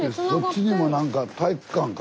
そっちにも何か体育館か？